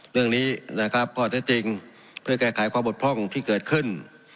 เรื่องนี้นะครับข้อเท็จจริงเพื่อแก้ไขความบกพร่องที่เกิดขึ้น